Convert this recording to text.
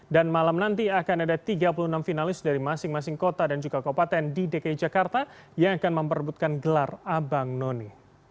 dan malam nanti akan ada tiga puluh enam finalis dari masing masing kota dan juga keopatan di dki jakarta yang akan memperbutkan gelar abang none